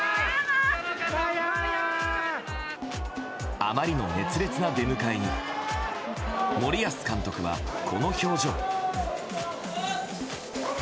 あまりの熱烈な出迎えに森保監督は、この表情。